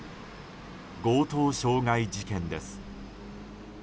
強盗傷害事件です。